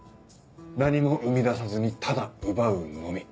何も生み出さずにただ奪うのみ。